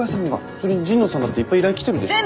それに神野さんだっていっぱい依頼来てるでしょ？